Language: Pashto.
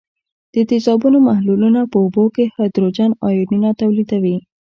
د تیزابونو محلولونه په اوبو کې هایدروجن آیونونه تولیدوي.